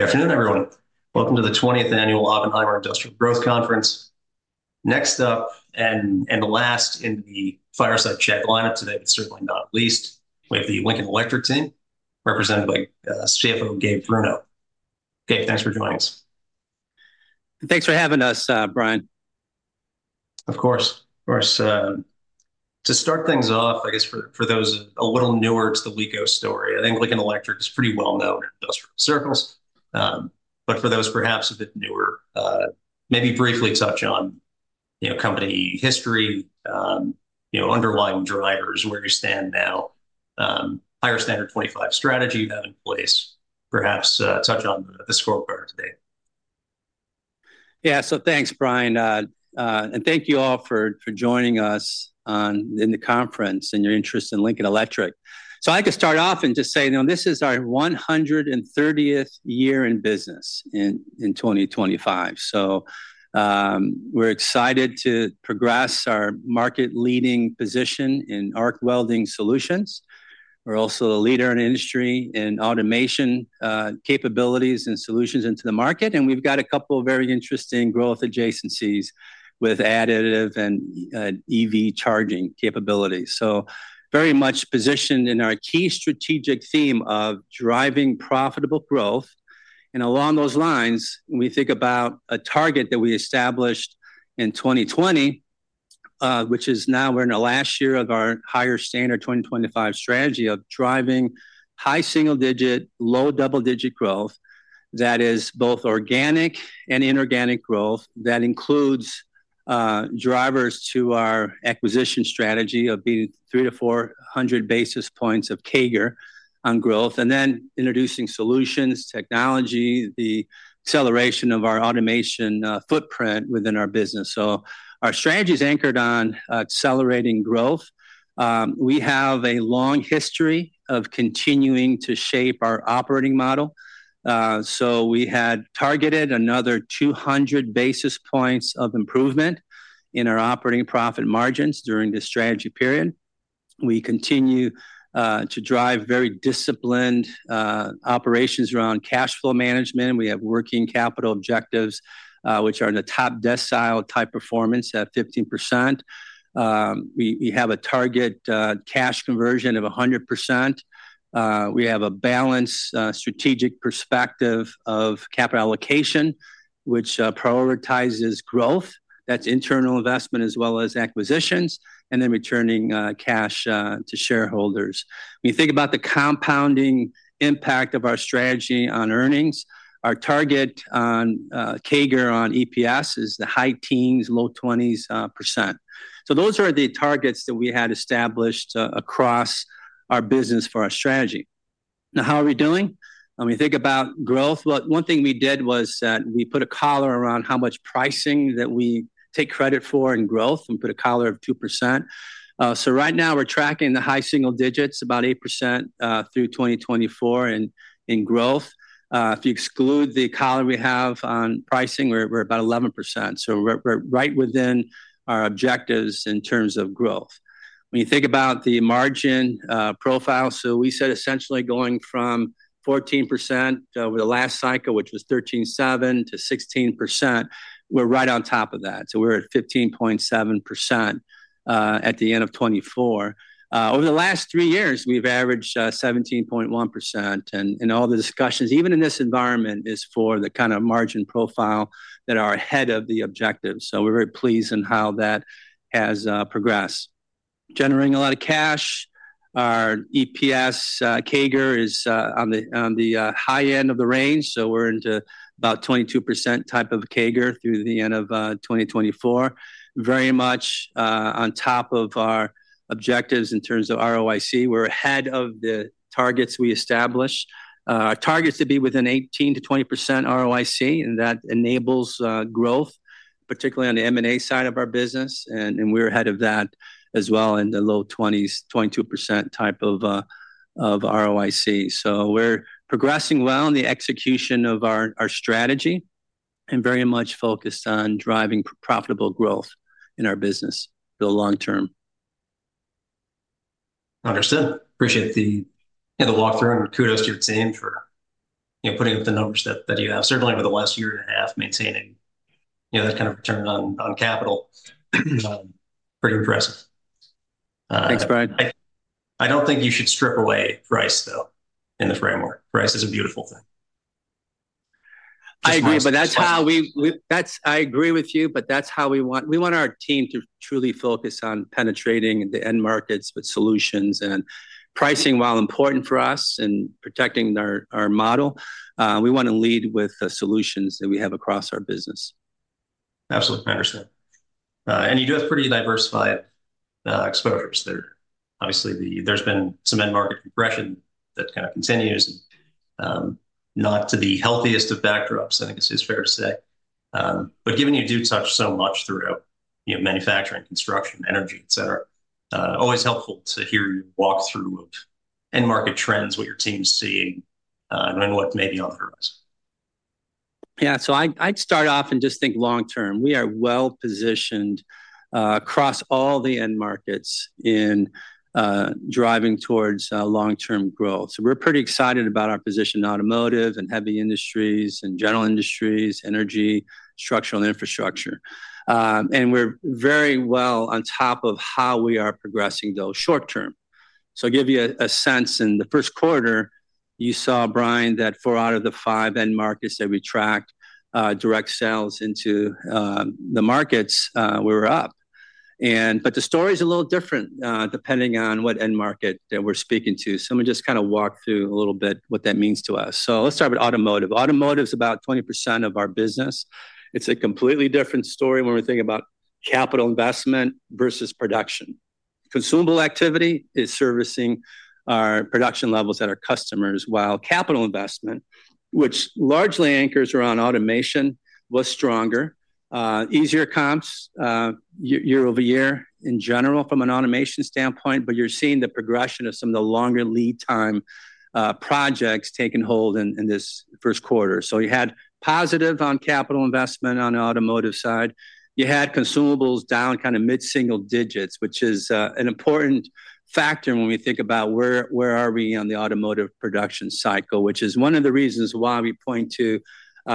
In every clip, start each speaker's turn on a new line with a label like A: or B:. A: Good afternoon, everyone. Welcome to the 20th Annual Oppenheimer Industrial Growth conference. Next up, and the last in the fireside chat lineup today, but certainly not least, we have the Lincoln Electric team, represented by CFO Gabe Bruno. Gabe, thanks for joining us.
B: Thanks for having us, Brian.
A: Of course. Of course. To start things off, I guess for those a little newer to the Lincoln Electric story, I think Lincoln Electric is pretty well known in industrial circles. But for those perhaps a bit newer, maybe briefly touch on company history, underlying drivers, where you stand now, higher standard 25 strategy you have in place, perhaps touch on the scorecard today.
B: Yeah. Thanks, Brian. And thank you all for joining us in the conference and your interest in Lincoln Electric. I could start off and just say, this is our 130th year in business in 2025. We are excited to progress our market-leading position in arc welding solutions. We are also the leader in industry in automation capabilities and solutions into the market. We have got a couple of very interesting growth adjacencies with additive and EV charging capabilities. Very much positioned in our key strategic theme of driving profitable growth. Along those lines, we think about a target that we established in 2020, which is now we are in the last year of our higher standard 2025 strategy of driving high single-digit, low double-digit growth. That is both organic and inorganic growth. That includes drivers to our acquisition strategy of being 300-400 basis points of CAGR on growth, and then introducing solutions, technology, the acceleration of our automation footprint within our business. Our strategy is anchored on accelerating growth. We have a long history of continuing to shape our operating model. We had targeted another 200 basis points of improvement in our operating profit margins during this strategy period. We continue to drive very disciplined operations around cash flow management. We have working capital objectives, which are in the top decile type performance at 15%. We have a target cash conversion of 100%. We have a balanced strategic perspective of capital allocation, which prioritizes growth. That is internal investment as well as acquisitions, and then returning cash to shareholders. When you think about the compounding impact of our strategy on earnings, our target on CAGR on EPS is the high teens, low 20s percent. Those are the targets that we had established across our business for our strategy. Now, how are we doing? When you think about growth, one thing we did was that we put a collar around how much pricing that we take credit for in growth and put a collar of 2%. Right now, we're tracking the high single digits, about 8% through 2024 in growth. If you exclude the collar we have on pricing, we're about 11%. We're right within our objectives in terms of growth. When you think about the margin profile, we said essentially going from 14% over the last cycle, which was 13.7% to 16%, we're right on top of that. We're at 15.7% at the end of 2024. Over the last three years, we've averaged 17.1%. All the discussions, even in this environment, are for the kind of margin profile that are ahead of the objectives. We're very pleased in how that has progressed. Generating a lot of cash. Our EPS CAGR is on the high end of the range. We're into about 22% type of CAGR through the end of 2024. Very much on top of our objectives in terms of ROIC. We're ahead of the targets we established. Our target is to be within 18%-20% ROIC, and that enables growth, particularly on the M&A side of our business. We're ahead of that as well in the low 20s, 22% type of ROIC. We're progressing well in the execution of our strategy and very much focused on driving profitable growth in our business for the long term.
A: Understood. Appreciate the walkthrough and kudos to your team for putting up the numbers that you have. Certainly, over the last year and a half, maintaining that kind of return on capital, pretty impressive. Thanks, Brian. I don't think you should strip away price, though, in the framework. Price is a beautiful thing.
B: I agree, but that's how we—I agree with you, but that's how we want. We want our team to truly focus on penetrating the end markets with solutions. Pricing, while important for us in protecting our model, we want to lead with the solutions that we have across our business.
A: Absolutely. I understand. You do have pretty diversified exposures there. Obviously, there's been some end market progression that kind of continues, not to the healthiest of backdrops, I think it's fair to say. Given you do touch so much throughout manufacturing, construction, energy, etc., always helpful to hear your walkthrough of end market trends, what your team's seeing, and what may be on the horizon.
B: Yeah. So I'd start off and just think long term. We are well positioned across all the end markets in driving towards long-term growth. So we're pretty excited about our position in automotive and heavy industries and general industries, energy, structural, and infrastructure. And we're very well on top of how we are progressing, though, short term. I'll give you a sense. In the first quarter, you saw, Brian, that four out of the five end markets that we tracked direct sales into the markets, we were up. The story is a little different depending on what end market that we're speaking to. Let me just kind of walk through a little bit what that means to us. Let's start with automotive. Automotive is about 20% of our business. It's a completely different story when we think about capital investment versus production. Consumable activity is servicing our production levels at our customers, while capital investment, which largely anchors around automation, was stronger. Easier comps year over year in general from an automation standpoint, but you're seeing the progression of some of the longer lead time projects taking hold in this first quarter. You had positive on capital investment on the automotive side. You had consumables down kind of mid-single digits, which is an important factor when we think about where are we on the automotive production cycle, which is one of the reasons why we point to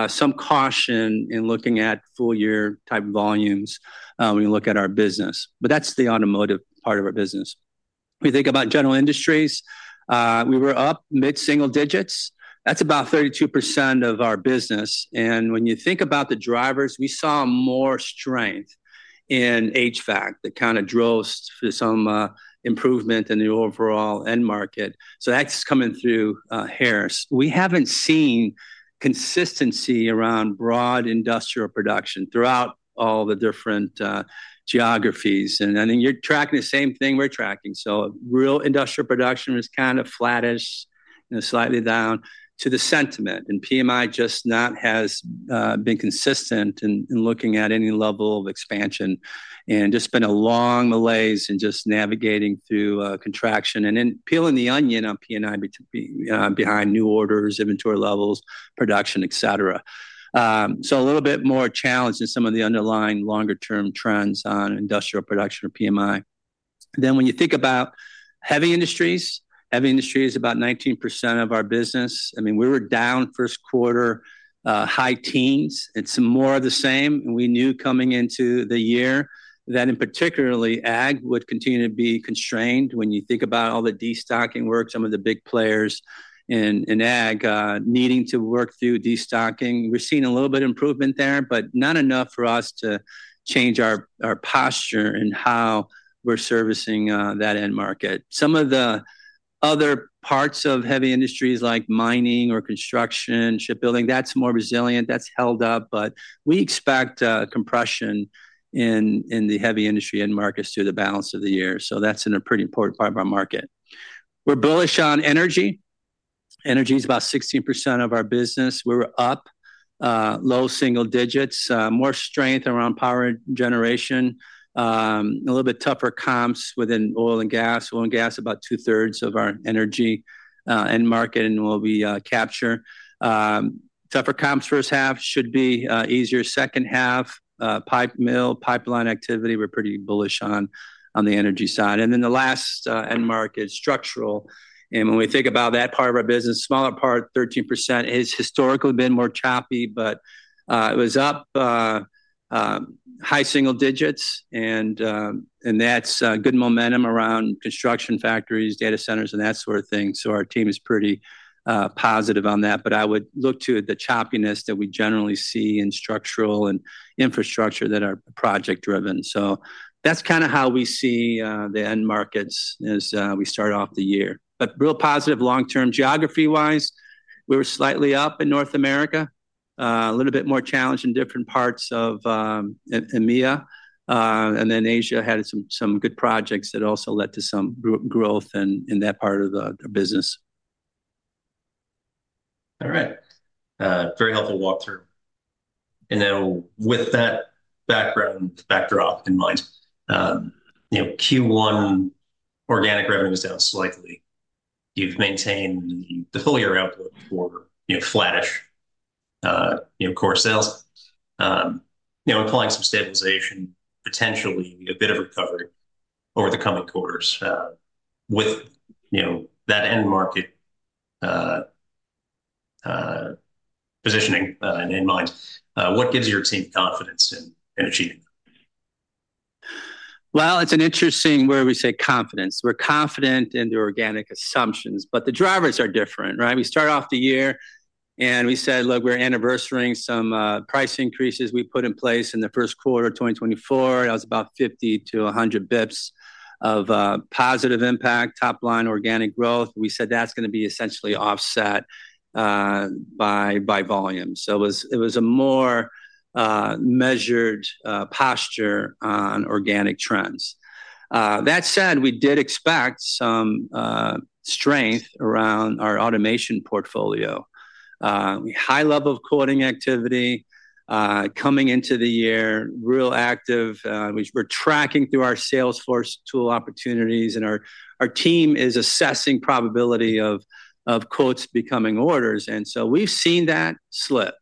B: some caution in looking at full-year type volumes when you look at our business. That is the automotive part of our business. We think about general industries. We were up mid-single digits. That is about 32% of our business. When you think about the drivers, we saw more strength in HVAC that kind of drove some improvement in the overall end market. That is coming through here. We have not seen consistency around broad industrial production throughout all the different geographies. I think you are tracking the same thing we are tracking. Real industrial production was kind of flattish and slightly down to the sentiment. PMI just has not been consistent in looking at any level of expansion and there has just been a long malaise in navigating through contraction and then peeling the onion on PMI behind new orders, inventory levels, production, etc. It is a little bit more challenged in some of the underlying longer-term trends on industrial production or PMI. When you think about heavy industries, heavy industry is about 19% of our business. I mean, we were down first quarter high teens. It's more of the same. We knew coming into the year that, and particularly ag, would continue to be constrained. When you think about all the destocking work, some of the big players in ag needing to work through destocking, we're seeing a little bit of improvement there, but not enough for us to change our posture in how we're servicing that end market. Some of the other parts of heavy industries like mining or construction, shipbuilding, that's more resilient. That's held up, but we expect compression in the heavy industry end markets through the balance of the year. That is a pretty important part of our market. We're bullish on energy. Energy is about 16% of our business. We were up low single digits, more strength around power generation, a little bit tougher comps within oil and gas. Oil and gas, about two-thirds of our energy end market and will be capture. Tougher comps first half should be easier. Second half, pipe mill, pipeline activity, we're pretty bullish on the energy side. The last end market, structural. When we think about that part of our business, smaller part, 13%, has historically been more choppy, but it was up high single digits. That's good momentum around construction factories, data centers, and that sort of thing. Our team is pretty positive on that. I would look to the choppiness that we generally see in structural and infrastructure that are project-driven. That's kind of how we see the end markets as we start off the year. Real positive long-term geography-wise, we were slightly up in North America, a little bit more challenged in different parts of EMEA. Asia had some good projects that also led to some growth in that part of the business.
A: All right. Very helpful walkthrough. With that background backdrop in mind, Q1 organic revenue was down slightly. You have maintained the full-year outlook for flattish core sales, implying some stabilization, potentially a bit of recovery over the coming quarters. With that end market positioning in mind, what gives your team confidence in achieving that?
B: It is an interesting way we say confidence. We are confident in the organic assumptions, but the drivers are different, right? We start off the year and we said, "Look, we are anniversarying some price increases we put in place in the first quarter of 2024." That was about 50-100 basis points of positive impact, top-line organic growth. We said that is going to be essentially offset by volume. It was a more measured posture on organic trends. That said, we did expect some strength around our automation portfolio. High level of quoting activity coming into the year, real active. We are tracking through our Salesforce tool opportunities, and our team is assessing probability of quotes becoming orders. We have seen that slip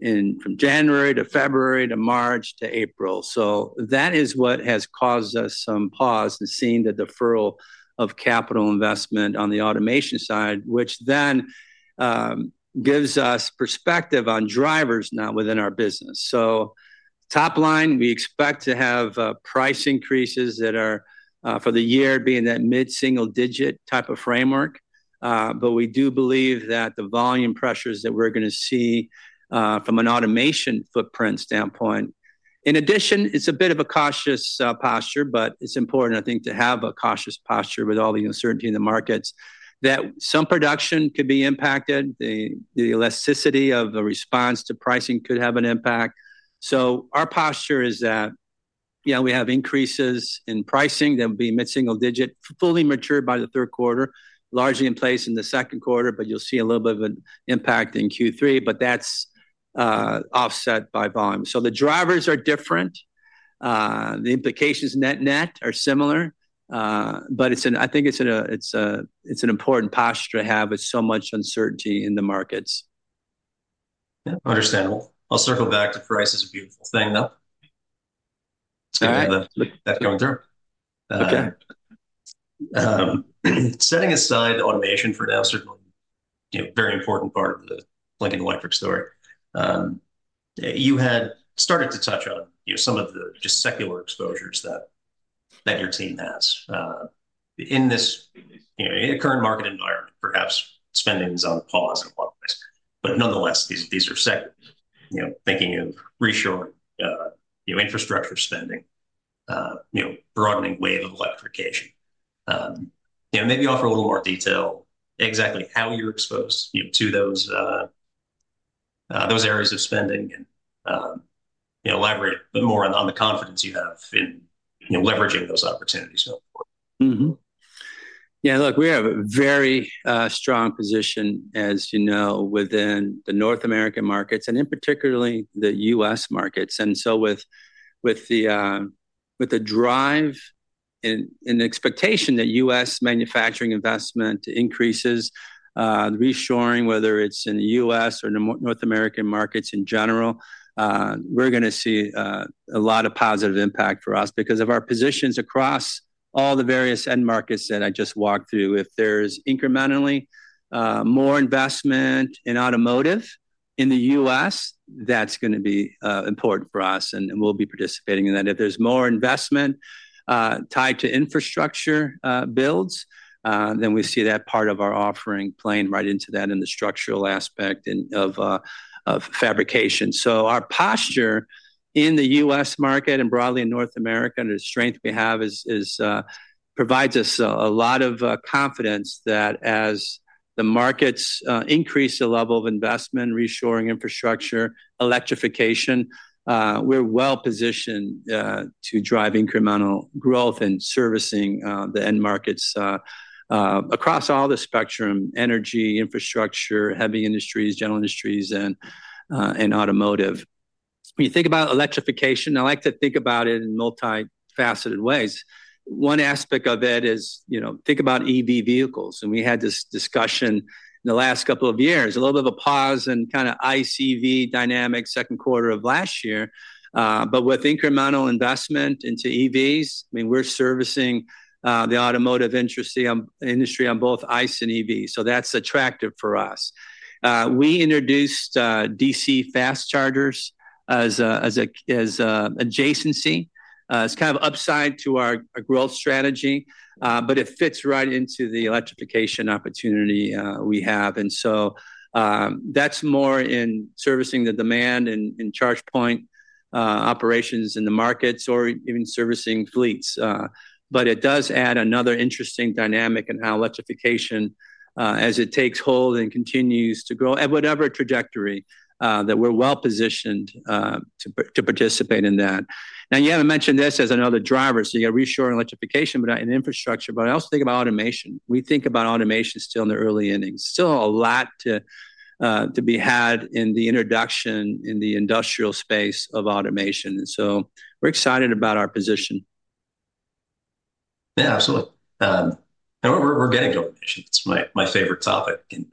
B: from January to February to March to April. That is what has caused us some pause and seen the deferral of capital investment on the automation side, which then gives us perspective on drivers now within our business. Top line, we expect to have price increases that are for the year being that mid-single digit type of framework. We do believe that the volume pressures that we're going to see from an automation footprint standpoint. In addition, it's a bit of a cautious posture, but it's important, I think, to have a cautious posture with all the uncertainty in the markets that some production could be impacted. The elasticity of the response to pricing could have an impact. Our posture is that we have increases in pricing that will be mid-single digit, fully matured by the third quarter, largely in place in the second quarter, but you'll see a little bit of an impact in Q3, but that's offset by volume. The drivers are different. The implications net-net are similar, but I think it's an important posture to have with so much uncertainty in the markets.
A: Understandable. I'll circle back to price as a beautiful thing though.
B: All right.
A: It's good to have that going through.
B: Okay.
A: Setting aside automation for now, certainly very important part of the Lincoln Electric story. You had started to touch on some of the just secular exposures that your team has. In this current market environment, perhaps spending is on pause in a lot of ways, but nonetheless, these are secular. Thinking of reshoring infrastructure spending, broadening wave of electrification. Maybe offer a little more detail exactly how you're exposed to those areas of spending and elaborate a bit more on the confidence you have in leveraging those opportunities.
B: Yeah. Look, we have a very strong position, as you know, within the North American markets and in particularly the U.S. markets. With the drive and expectation that U.S. manufacturing investment increases, reshoring, whether it's in the U.S. or North American markets in general, we're going to see a lot of positive impact for us because of our positions across all the various end markets that I just walked through. If there's incrementally more investment in automotive in the U.S., that's going to be important for us, and we'll be participating in that. If there's more investment tied to infrastructure builds, then we see that part of our offering playing right into that in the structural aspect of fabrication. Our posture in the U.S. market and broadly in North America and the strength we have provides us a lot of confidence that as the markets increase the level of investment, reshoring, infrastructure, electrification, we're well positioned to drive incremental growth in servicing the end markets across all the spectrum: energy, infrastructure, heavy industries, general industries, and automotive. When you think about electrification, I like to think about it in multifaceted ways. One aspect of it is think about EV vehicles. We had this discussion in the last couple of years, a little bit of a pause and kind of ICE-EV dynamic second quarter of last year. With incremental investment into EVs, I mean, we're servicing the automotive industry on both ICE and EV. That's attractive for us. We introduced DC fast chargers as an adjacency. It's kind of upside to our growth strategy, but it fits right into the electrification opportunity we have. That is more in servicing the demand and charge point operations in the markets or even servicing fleets. It does add another interesting dynamic in how electrification, as it takes hold and continues to grow at whatever trajectory, that we're well positioned to participate in that. You have not mentioned this as another driver. You have reshoring, electrification, in infrastructure. I also think about automation. We think about automation still in the early innings. Still a lot to be had in the introduction in the industrial space of automation. We are excited about our position.
A: Yeah, absolutely. We are getting to automation. It's my favorite topic in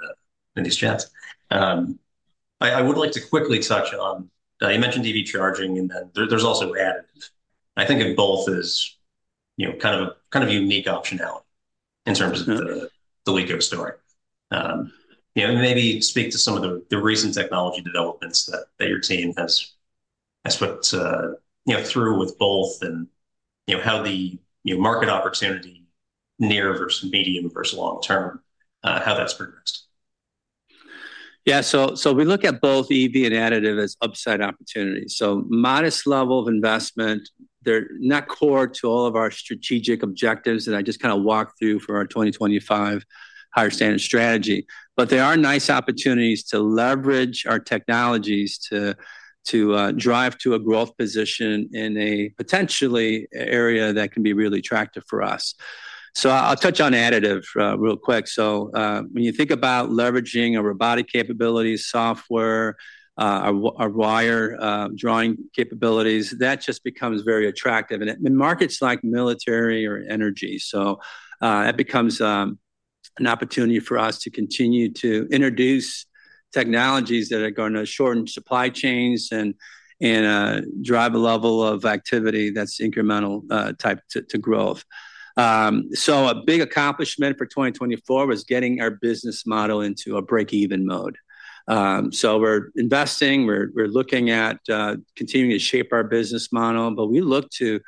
A: these chats. I would like to quickly touch on, you mentioned EV charging, and then there's also additive. I think of both as kind of a unique optionality in terms of the Lincoln story. Maybe speak to some of the recent technology developments that your team has put through with both and how the market opportunity near versus medium versus long term, how that's progressed.
B: Yeah. So we look at both EV and additive as upside opportunities. So modest level of investment, they're not core to all of our strategic objectives that I just kind of walked through for our 2025 higher standard strategy. But there are nice opportunities to leverage our technologies to drive to a growth position in a potentially area that can be really attractive for us. I'll touch on additive real quick. When you think about leveraging our robotic capabilities, software, our wire drawing capabilities, that just becomes very attractive. In markets like military or energy, it becomes an opportunity for us to continue to introduce technologies that are going to shorten supply chains and drive a level of activity that's incremental type to growth. A big accomplishment for 2024 was getting our business model into a break-even mode. We're investing. We're looking at continuing to shape our business model, but we look to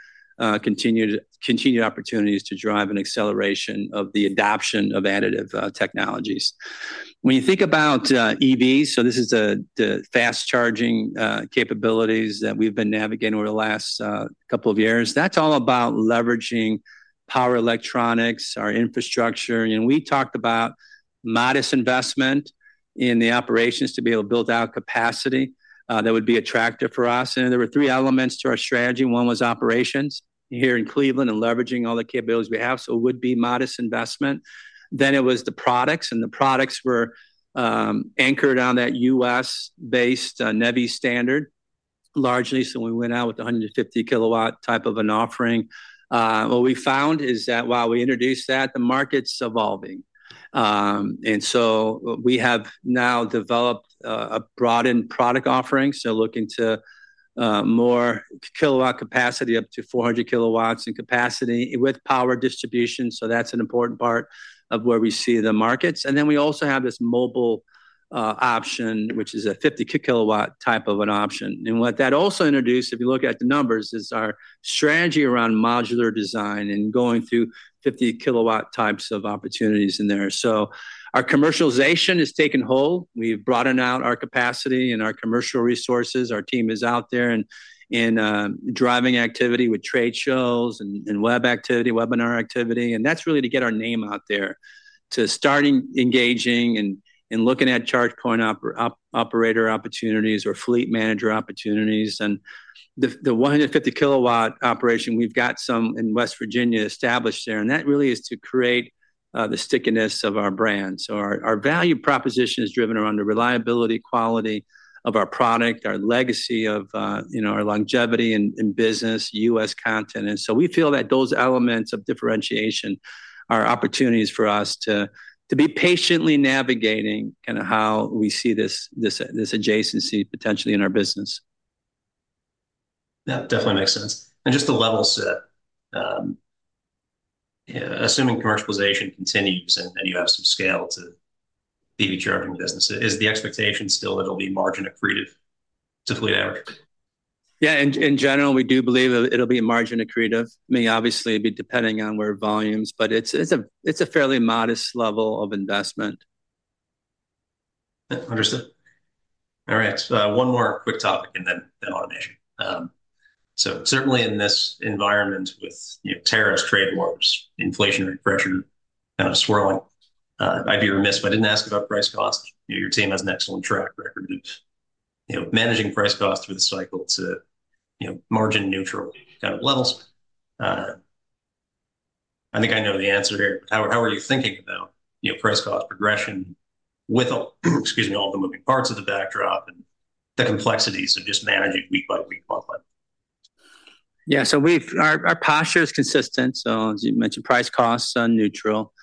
B: continue opportunities to drive an acceleration of the adoption of additive technologies. When you think about EVs, this is the fast charging capabilities that we've been navigating over the last couple of years. That's all about leveraging power electronics, our infrastructure. We talked about modest investment in the operations to be able to build out capacity that would be attractive for us. There were three elements to our strategy. One was operations here in Cleveland and leveraging all the capabilities we have. It would be modest investment. It was the products, and the products were anchored on that U.S.-based NEVI standard, largely. We went out with a 150 kW type of an offering. What we found is that while we introduced that, the market's evolving. We have now developed a broadened product offering. Looking to more kilowatt capacity, up to 400 kW in capacity with power distribution, that is an important part of where we see the markets. We also have this mobile option, which is a 50 kW type of an option. What that also introduced, if you look at the numbers, is our strategy around modular design and going through 50 kW types of opportunities in there. Our commercialization has taken hold. We have broadened out our capacity and our commercial resources. Our team is out there driving activity with trade shows and web activity, webinar activity. That is really to get our name out there, to start engaging and looking at charge point operator opportunities or fleet manager opportunities. The 150 kW operation, we have got some in West Virginia established there. That really is to create the stickiness of our brand. Our value proposition is driven around the reliability, quality of our product, our legacy of our longevity in business, U.S. content. We feel that those elements of differentiation are opportunities for us to be patiently navigating kind of how we see this adjacency potentially in our business.
A: That definitely makes sense. Just to level set, assuming commercialization continues and you have some scale to the charging business, is the expectation still that it'll be margin accretive to fleet average?
B: Yeah. In general, we do believe it'll be margin accretive. I mean, obviously, it'd be depending on where volumes, but it's a fairly modest level of investment.
A: Understood. All right. One more quick topic and then automation. Certainly in this environment with tariffs, trade wars, inflationary pressure kind of swirling, I'd be remiss if I didn't ask about price costs. Your team has an excellent track record of managing price costs through the cycle to margin neutral kind of levels. I think I know the answer here. How are you thinking about price cost progression with, excuse me, all the moving parts of the backdrop and the complexities of just managing week by week?
B: Yeah. So our posture is consistent. As you mentioned, price costs are neutral.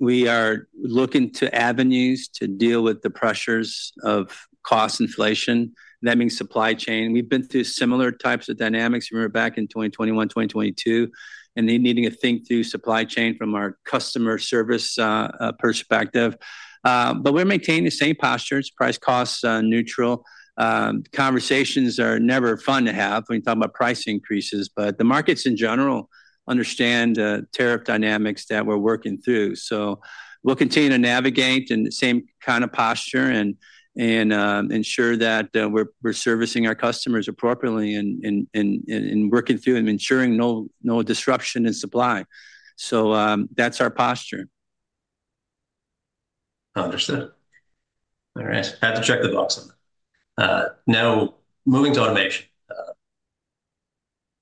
B: We are looking to avenues to deal with the pressures of cost inflation. That means supply chain. We have been through similar types of dynamics from back in 2021, 2022, and needing to think through supply chain from our customer service perspective. We are maintaining the same postures. Price costs are neutral. Conversations are never fun to have when you talk about price increases, but the markets in general understand the tariff dynamics that we are working through. We will continue to navigate in the same kind of posture and ensure that we are servicing our customers appropriately and working through and ensuring no disruption in supply. That is our posture.
A: Understood. All right. Have to check the box on that. Now, moving to automation.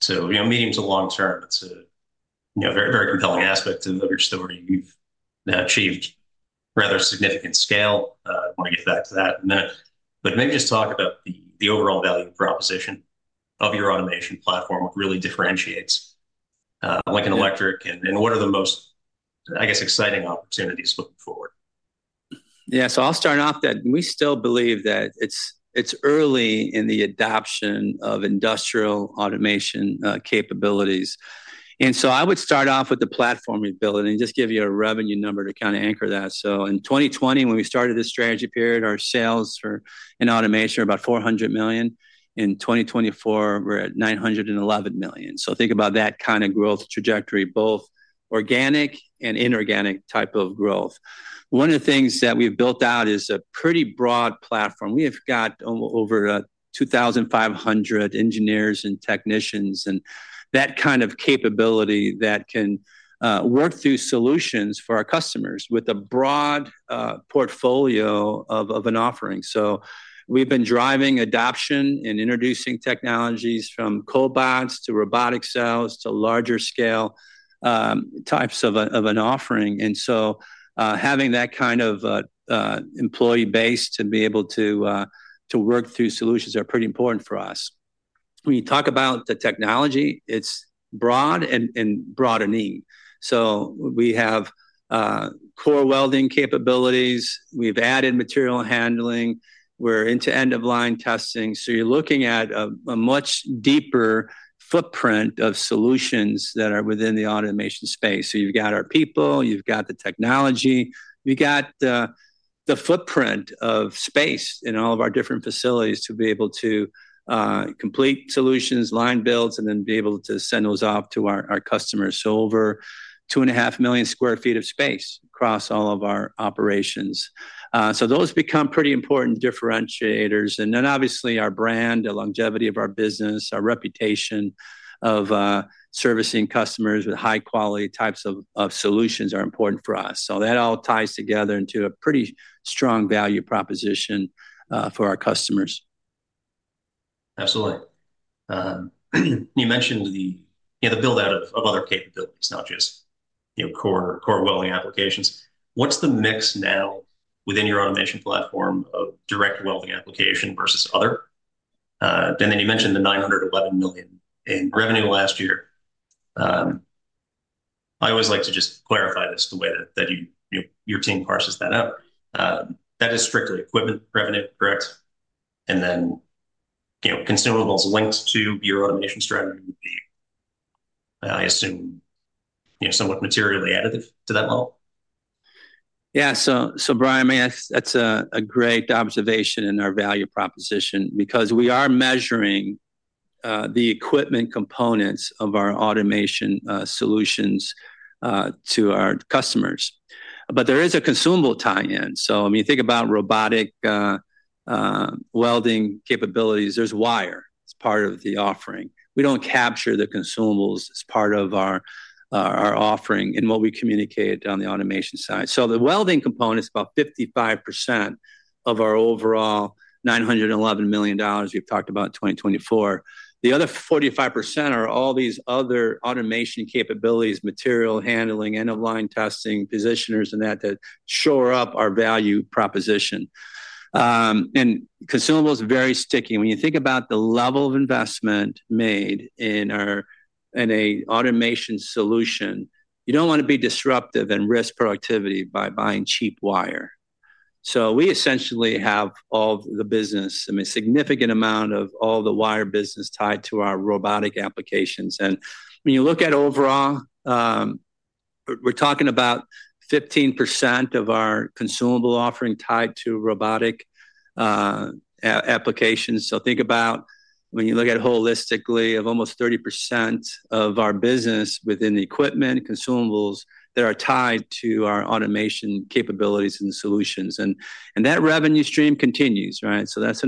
A: Medium to long term, it's a very compelling aspect of your story. You've achieved rather significant scale. I want to get back to that in a minute. Maybe just talk about the overall value proposition of your automation platform. What really differentiates Lincoln Electric and what are the most, I guess, exciting opportunities looking forward?
B: Yeah. I will start off that we still believe that it is early in the adoption of industrial automation capabilities. I would start off with the platform we have built and just give you a revenue number to kind of anchor that. In 2020, when we started this strategy period, our sales in automation were about $400 million. In 2024, we are at $911 million. Think about that kind of growth trajectory, both organic and inorganic type of growth. One of the things that we have built out is a pretty broad platform. We have got over 2,500 engineers and technicians and that kind of capability that can work through solutions for our customers with a broad portfolio of an offering. We have been driving adoption and introducing technologies from cobots to robotic cells to larger scale types of an offering. Having that kind of employee base to be able to work through solutions is pretty important for us. When you talk about the technology, it is broad and broader need. We have core welding capabilities. We have added material handling. We are into end-of-line testing. You are looking at a much deeper footprint of solutions that are within the automation space. You have our people. You have the technology. We have the footprint of space in all of our different facilities to be able to complete solutions, line builds, and then be able to send those off to our customers. Over 2.5 million sq ft of space across all of our operations. Those become pretty important differentiators. Obviously our brand, the longevity of our business, our reputation of servicing customers with high-quality types of solutions are important for us. That all ties together into a pretty strong value proposition for our customers.
A: Absolutely. You mentioned the build-out of other capabilities, not just core welding applications. What's the mix now within your automation platform of direct welding application versus other? You mentioned the $911 million in revenue last year. I always like to just clarify this the way that your team parses that out. That is strictly equipment revenue, correct? Consumables linked to your automation strategy would be, I assume, somewhat materially additive to that model?
B: Yeah. Brian, I mean, that's a great observation in our value proposition because we are measuring the equipment components of our automation solutions to our customers. There is a consumable tie-in. When you think about robotic welding capabilities, there's wire. It's part of the offering. We don't capture the consumables as part of our offering in what we communicate on the automation side. The welding component is about 55% of our overall $911 million we've talked about in 2024. The other 45% are all these other automation capabilities, material handling, end-of-line testing, positioners, and that that shore up our value proposition. Consumables are very sticky. When you think about the level of investment made in an automation solution, you don't want to be disruptive and risk productivity by buying cheap wire. We essentially have all the business, I mean, significant amount of all the wire business tied to our robotic applications. When you look at overall, we're talking about 15% of our consumable offering tied to robotic applications. Think about when you look at holistically, of almost 30% of our business within the equipment, consumables that are tied to our automation capabilities and solutions. That revenue stream continues, right? That's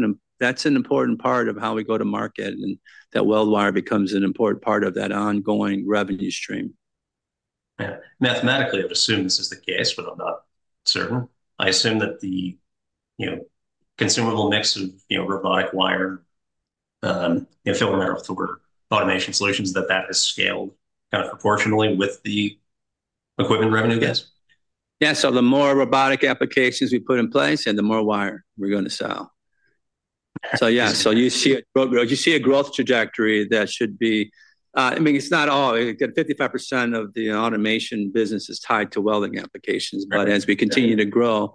B: an important part of how we go to market and that weld wire becomes an important part of that ongoing revenue stream.
A: Yeah. Mathematically, I would assume this is the case, but I'm not certain. I assume that the consumable mix of robotic wire, filament, or automation solutions, that that has scaled kind of proportionally with the equipment revenue gap.
B: Yeah. The more robotic applications we put in place and the more wire we're going to sell. Yeah. You see a growth trajectory that should be, I mean, it's not all. 55% of the automation business is tied to welding applications. As we continue to grow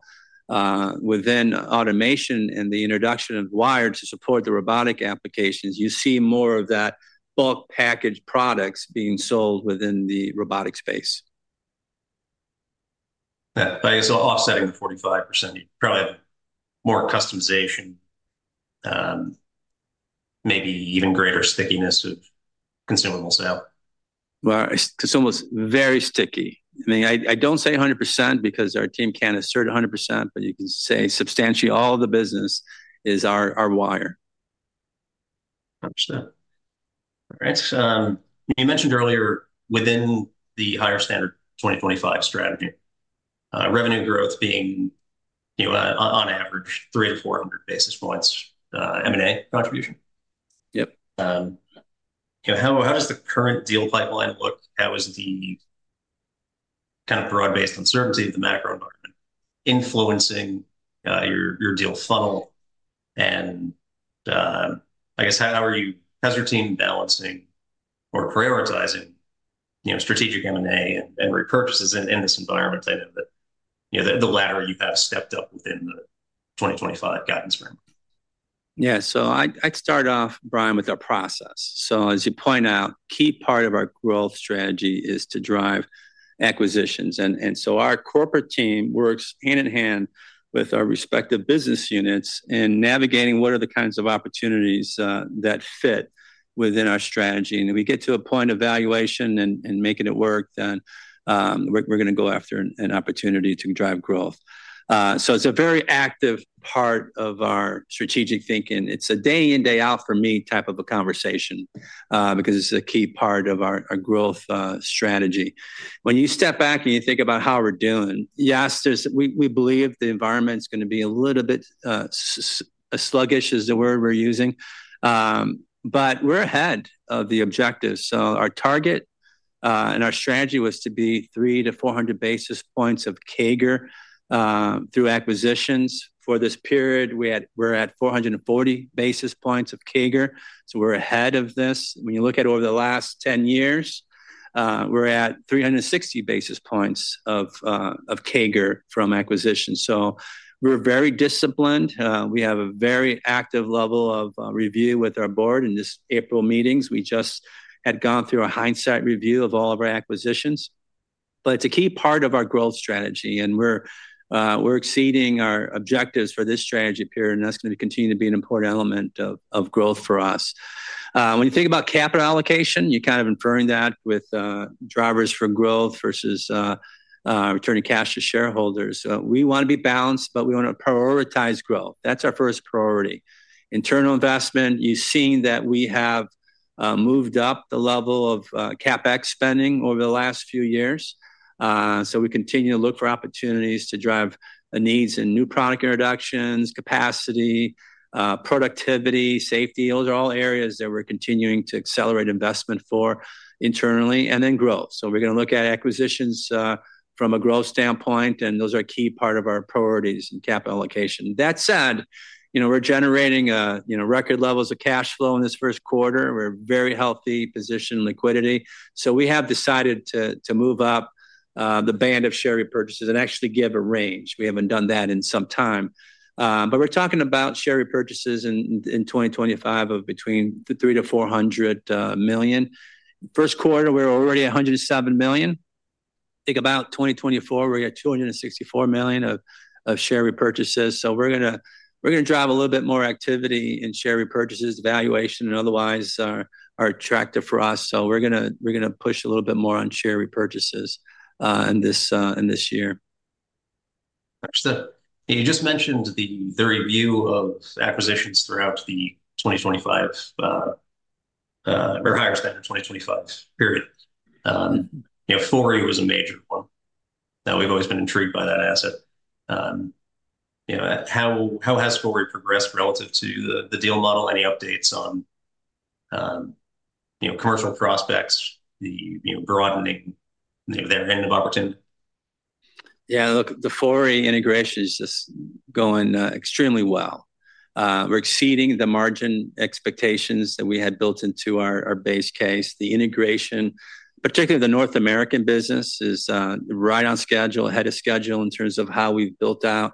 B: within automation and the introduction of wire to support the robotic applications, you see more of that bulk package products being sold within the robotic space.
A: Offsetting the 45%, you probably have more customization, maybe even greater stickiness of consumable sale.
B: Consumables are very sticky. I mean, I do not say 100% because our team cannot assert 100%, but you can say substantially all of the business is our wire.
A: Understood. All right. You mentioned earlier within the higher standard 2025 strategy, revenue growth being on average 300-400 basis points M&A contribution.
B: Yep.
A: How does the current deal pipeline look? How is the kind of broad-based uncertainty of the macro environment influencing your deal funnel? I guess how are you, how's your team balancing or prioritizing strategic M&A and repurchases in this environment? I know that the latter you have stepped up within the 2025 guidance framework.
B: Yeah. I’d start off, Brian, with our process. As you point out, a key part of our growth strategy is to drive acquisitions. Our corporate team works hand in hand with our respective business units in navigating what are the kinds of opportunities that fit within our strategy. If we get to a point of valuation and making it work, then we’re going to go after an opportunity to drive growth. It’s a very active part of our strategic thinking. It’s a day in, day out for me type of a conversation because it’s a key part of our growth strategy. When you step back and you think about how we’re doing, yes, we believe the environment’s going to be a little bit sluggish is the word we’re using. We’re ahead of the objective. Our target and our strategy was to be 300-400 basis points of CAGR through acquisitions. For this period, we're at 440 basis points of CAGR. We're ahead of this. When you look at over the last 10 years, we're at 360 basis points of CAGR from acquisitions. We're very disciplined. We have a very active level of review with our Board. In this April meetings, we just had gone through a hindsight review of all of our acquisitions. It's a key part of our growth strategy. We're exceeding our objectives for this strategy period. That's going to continue to be an important element of growth for us. When you think about capital allocation, you're kind of inferring that with drivers for growth versus returning cash to shareholders. We want to be balanced, but we want to prioritize growth. That's our first priority. Internal investment, you've seen that we have moved up the level of CapEx spending over the last few years. We continue to look for opportunities to drive the needs and new product introductions, capacity, productivity, safety. Those are all areas that we're continuing to accelerate investment for internally and then growth. We're going to look at acquisitions from a growth standpoint. Those are a key part of our priorities in capital allocation. That said, we're generating record levels of cash flow in this first quarter. We're very healthy position liquidity. We have decided to move up the band of share repurchases and actually give a range. We haven't done that in some time. We're talking about share repurchases in 2025 of between $300 million-$400 million. First quarter, we were already $107 million. I think about 2024, we're at $264 million of share repurchases. We're going to drive a little bit more activity in share repurchases. Valuation and otherwise are attractive for us. We're going to push a little bit more on share repurchases in this year.
A: Understood. You just mentioned the review of acquisitions throughout the 2025 or higher spend in 2025 period. Fourier was a major one. We've always been intrigued by that asset. How has Fourier progressed relative to the deal model? Any updates on commercial prospects, the broadening of their end of opportunity?
B: Yeah. Look, the Fourier integration is just going extremely well. We're exceeding the margin expectations that we had built into our base case. The integration, particularly the North American business, is right on schedule, ahead of schedule in terms of how we've built out,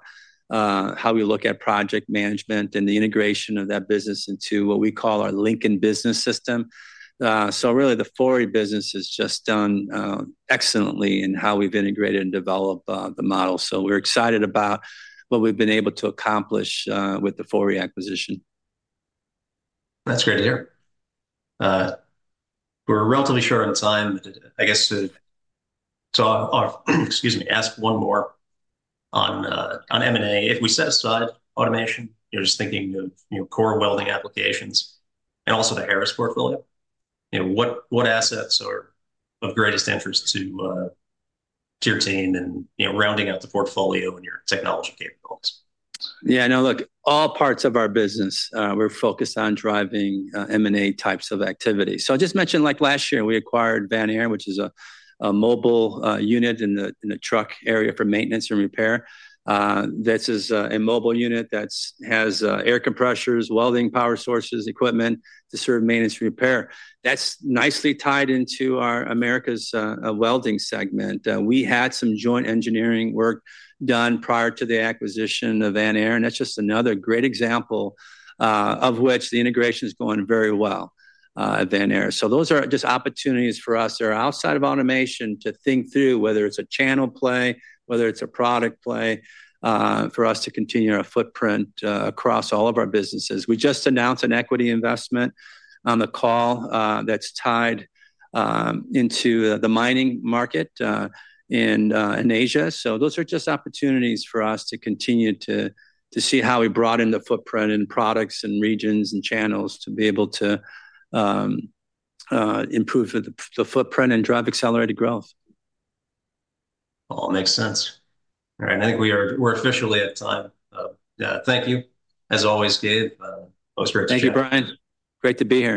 B: how we look at project management, and the integration of that business into what we call our Lincoln business system. Really, the Fourier business has just done excellently in how we've integrated and developed the model. We're excited about what we've been able to accomplish with the Fourier acquisition.
A: That's great to hear. We're relatively short on time. I guess to ask one more on M&A, if we set aside automation, just thinking of core welding applications and also the Harris portfolio, what assets are of greatest interest to your team in rounding out the portfolio and your technology capabilities?
B: Yeah. No, look, all parts of our business, we're focused on driving M&A types of activity. I just mentioned like last year, we acquired Vanair, which is a mobile unit in the truck area for maintenance and repair. This is a mobile unit that has air compressors, welding power sources, equipment to serve maintenance and repair. That's nicely tied into our Americas welding segment. We had some joint engineering work done prior to the acquisition of Vanair. That's just another great example of which the integration is going very well at Van Air. Those are just opportunities for us that are outside of automation to think through whether it's a channel play, whether it's a product play for us to continue our footprint across all of our businesses. We just announced an equity investment on the call that's tied into the mining market in Asia. Those are just opportunities for us to continue to see how we broaden the footprint and products and regions and channels to be able to improve the footprint and drive accelerated growth.
A: All makes sense. All right. I think we're officially at time. Thank you, as always, Gabe. Most great to speak with you.
B: Thank you, Brian. Great to be here.